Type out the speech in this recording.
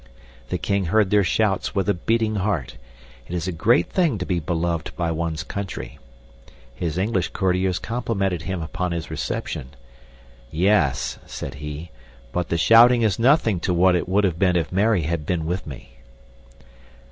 The king heard their shouts with a beating heart. It is a great thing to be beloved by one's country. His English courtiers complimented him upon his reception. "Yes," said he, "but the shouting is nothing to what it would have been if Mary had been with me!"